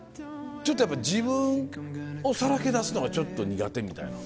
ちょっとやっぱ自分をさらけ出すのがちょっと苦手みたいな？